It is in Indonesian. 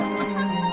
raja beruin terordum